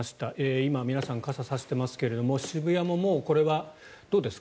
今、皆さん傘を差していますが渋谷も、これはどうですか？